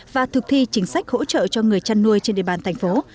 và thực thi chính sách hỗ trợ cho người chăn nuôi trên địa bàn thành phố